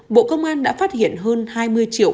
bộ công an đã phát hiện hơn hai mươi triệu